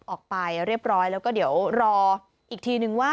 ออกไปเรียบร้อยแล้วก็เดี๋ยวรออีกทีนึงว่า